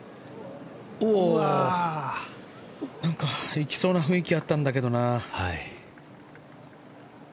行きそうな雰囲気あったんだけどな。